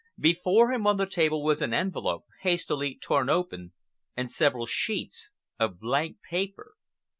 Before him on the table was an envelope, hastily torn open, and several sheets of blank paper.